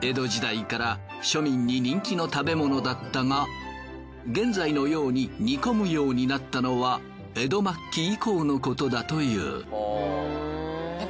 江戸時代から庶民に人気の食べ物だったが現在のように煮込むようになったのは江戸末期以降のことだという。